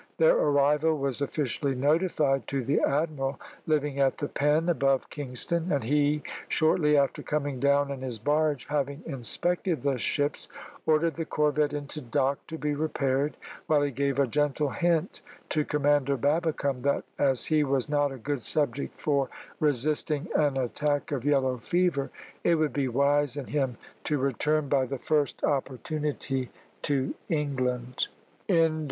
Their arrival was officially notified to the admiral, living at the Pen above Kingston, and he, shortly after coming down in his barge, having inspected the ships, ordered the corvette into dock to be repaired, while he gave a gentle hint to Commander Babbicome that, as he was not a good subject for resisting an attack of yellow fever, it would be wise in him to return by the first opportunity to England.